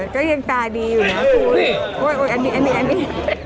ก็ยังตาดีอยู่นะคุณโอ้ยอันนี้อันนี้